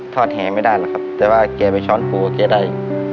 แห่ไม่ได้หรอกครับแต่ว่าแกไปช้อนปูแกได้